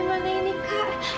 kak bagaimana ini kak